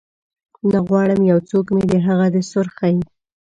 نه غواړم یو څوک مې د هغه د سرخۍ